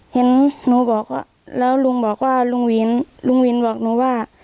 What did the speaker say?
เห็นหนูบอกว่าแล้วลุงบอกว่าลุงวินลุงวินบอกหนูว่า